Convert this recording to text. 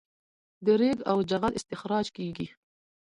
د ریګ او جغل استخراج کیږي